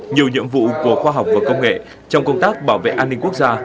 nhiều nhiệm vụ của khoa học và công nghệ trong công tác bảo vệ an ninh quốc gia